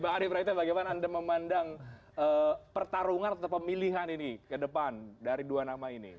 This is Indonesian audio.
bang adi praitno bagaimana anda memandang pertarungan atau pemilihan ini ke depan dari dua nama ini